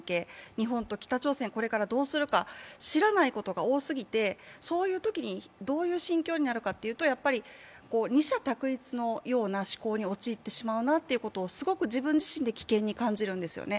日本と北朝鮮、これからどうするか知らないことが多すぎて、そういうときにどういう心境になるかというと、やっぱり二者択一のような思考に陥ってしまうなということをすごく自分自身で危険に感じるんですね。